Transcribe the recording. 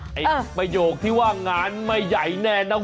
แบบนี้มึงบอกว่ามันไม่ถึงแดงนะวิ